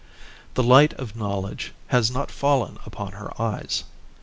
The light of knowledge has not fallen upon her eyes.